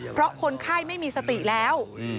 เพราะคนไข้ไม่มีสติแล้ว